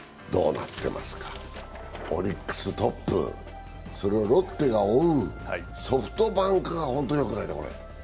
オリックストップそれをロッテが追うソフトバンクが本当によくないね、これ。